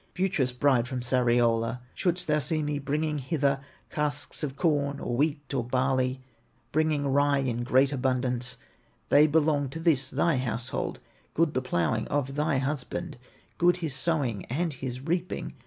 "Beauteous bride from Sariola, Shouldst thou see me bringing hither Casks of corn, or wheat, or barley, Bringing rye in great abundance, They belong to this thy household; Good the plowing of thy husband, Good his sowing and his reaping.